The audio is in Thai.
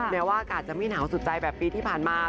แม้ว่าอากาศจะไม่หนาวสุดใจแบบปีที่ผ่านมา